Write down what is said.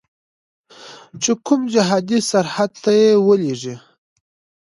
چې کوم جهادي سرحد ته یې ولیږي.